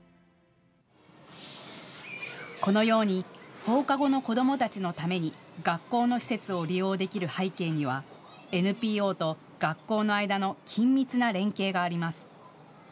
このように放課後の子どもたちのために学校の施設を利用できる背景にはＮＰＯと学校の間の緊密な連携があります。